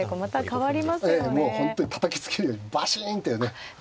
本当にたたきつけるようにバシンというね。